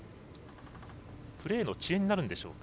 プレーの遅延になるんでしょうか。